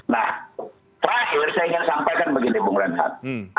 nah terakhir saya ingin sampaikan begini bung renhat